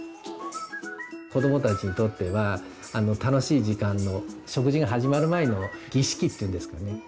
子どもたちにとっては楽しい時間の食事が始まる前の儀式っていうんですかね。